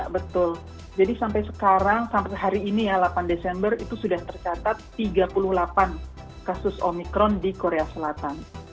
betul jadi sampai sekarang sampai hari ini ya delapan desember itu sudah tercatat tiga puluh delapan kasus omikron di korea selatan